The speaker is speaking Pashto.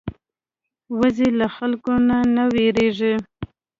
وزې له خلکو نه نه وېرېږي